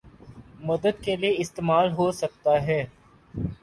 مدد کے لیے استعمال ہو سکتا ہے